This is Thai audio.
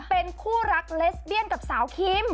เป็นคู่รักเลสเบียนกับสาวคิม